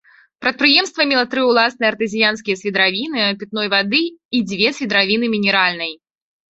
Прадпрыемства мела тры ўласныя артэзіянскія свідравіны пітной вады і дзве свідравіны мінеральнай.